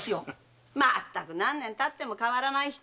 ・まったく何年たっても変わらない人！